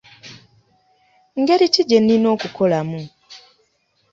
Ngeri ki gyennina okukolamu ?